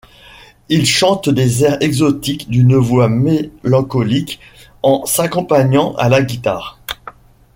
Il chante des airs exotiques d'une voix mélancolique en s'accompagnant à la guitare.